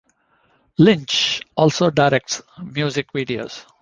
Lynch also directs music videos.